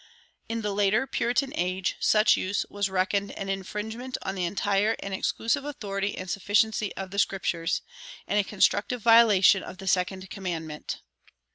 In the later Puritan age such use was reckoned an infringement on the entire and exclusive authority and sufficiency of the Scriptures, and a constructive violation of the second commandment.